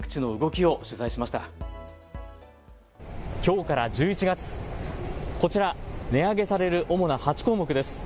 きょうから１１月、こちら値上げされる主な８項目です。